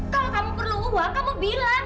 kalau kamu perlu uang kamu bilang